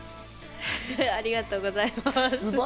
ありがとうございます。